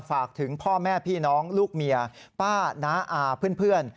ฝากถึงพ่อแม่พี่น้องลูกเมียป้าน้าอาเพื่อน